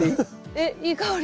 えっいい香り。